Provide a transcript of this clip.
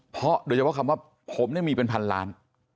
เพราะโดยเฉพาะคำว่าผมเนี่ยมีเป็นพันล้าน